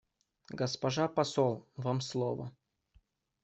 Госпожа посол, вам слово.